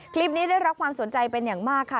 คลิปนี้ได้รับความสนใจเป็นอย่างมากค่ะ